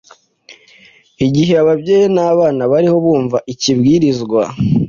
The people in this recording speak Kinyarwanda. Igihe ababyeyi n’abana bariho bumva ikibwirizwa,